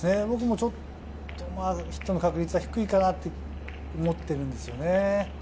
ちょっとヒットの確率は低いかなと思っているんですよね。